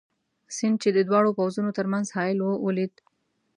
سیند، چې د دواړو پوځونو تر منځ حایل وو، ولید.